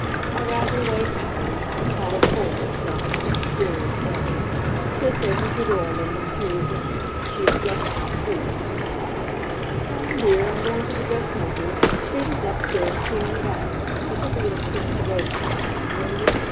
I rattle away happily, the plot unfolding itself in some mysterious way. Sis opens the door a little and peers in. She is dressed for the street. "Dawn dear, I'm going to the dressmaker's. Frieda's upstairs cleaning the bathroom, so take a little squint at the roast now and then, will you?